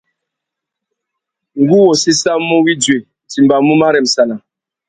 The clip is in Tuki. Ngú wô séssamú widuï ; nʼtimbamú marremsana.